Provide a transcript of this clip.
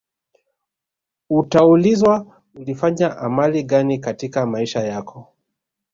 utaulizwa ulifanya amali gani katika maisha yako